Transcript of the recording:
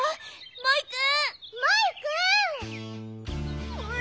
モイくん！